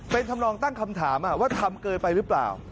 เป็นทำลองตั้งคำถามว่าทำเกินไปหรือเปล่า